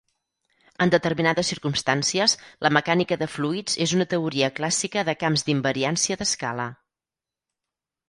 En determinades circumstàncies, la mecànica de fluids és una teoria clàssica de camps d'invariància d'escala.